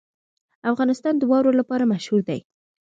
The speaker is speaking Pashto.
افغانستان د واوره لپاره مشهور دی.